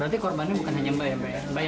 berarti korbannya bukan hanya mbak ya mbak ya